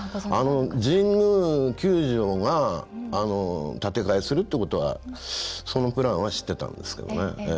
神宮球場が建て替えするっていうことはそのプランは知ってたんですけど。